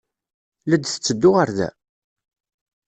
La d-tetteddu ɣer da?